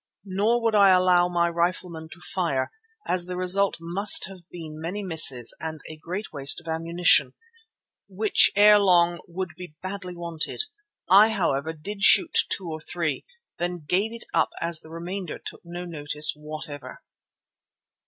Nor would I allow my riflemen to fire, as the result must have been many misses and a great waste of ammunition which ere long would be badly wanted. I, however, did shoot two or three, then gave it up as the remainder took no notice whatever.